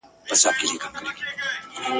هم خالق یې هم سلطان یې د وگړو !.